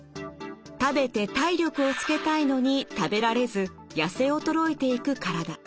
食べて体力をつけたいのに食べられずやせ衰えていく体。